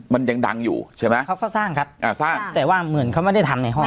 มันยังดังอยู่ใช่มั้ยเขาสร้างครับแต่ว่าเหมือนเขาไม่ได้ทำในห้อง